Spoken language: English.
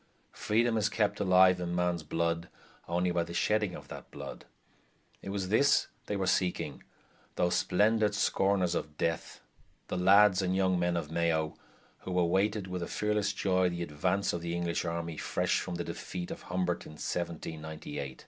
Freedom is kept alive in man's blood only by the shedding of that blood. It was this they were seeking, those splendid "scorners of death", the lads and young men of Mayo, who awaited with a fearless joy the advance of the English army fresh from the defeat of Humbert in 1798.